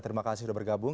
terima kasih sudah bergabung